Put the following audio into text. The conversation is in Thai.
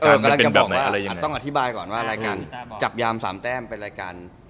ก็จะบอกต้องอธิบายก่อนว่ารายการ